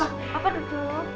papa duduk sini